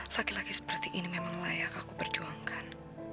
laki laki seperti ini memang layak aku perjuangkan